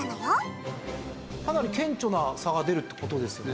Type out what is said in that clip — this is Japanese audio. かなり顕著な差が出るって事ですよね。